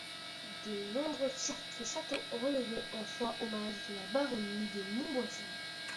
De nombreux fiefs et châteaux relevaient en foi-hommage de la baronnie des Montboissier.